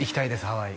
ハワイ